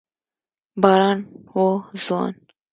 باران و ځوان